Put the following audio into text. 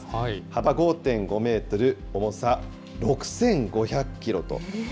幅５．５メートル、重さ６５００キロと。